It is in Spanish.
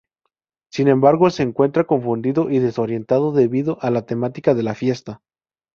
Sin embargo, se encuentra confundido y desorientado debido a la temática de la fiesta.